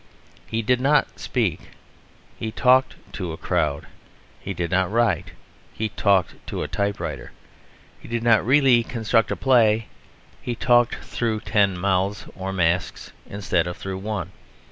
He did not speak; he talked to a crowd. He did not write; he talked to a typewriter. He did not really construct a play; he talked through ten mouths or masks instead of through one.